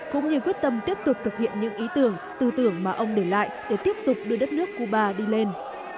cũng như quyết tâm tiếp tục thực hiện những ý tưởng tư tưởng mà ông để lại để tiếp tục đưa đất nước cuba đi lên